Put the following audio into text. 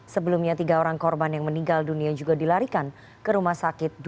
sebelumnya tiga orang korban yang meninggal dunia juga dilarikan ke rumah sakit